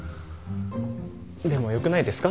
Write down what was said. でもよくないですか？